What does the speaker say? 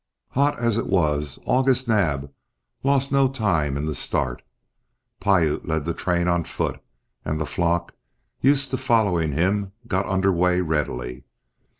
Hot as it was August Naab lost no time in the start. Piute led the train on foot, and the flock, used to following him, got under way readily.